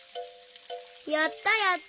やったやった！